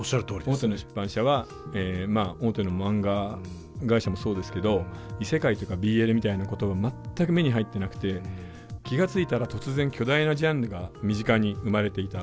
大手の出版社は大手のマンガ会社もそうですけど異世界とかＢＬみたいなことは全く目に入ってなくて気が付いたら突然巨大なジャンルが身近に生まれていた。